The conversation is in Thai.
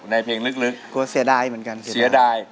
ในเพลงลึกก็เสียดายเหมือนกันเสียดาย